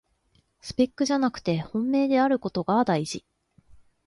スペックじゃなくて本命であることがだいじ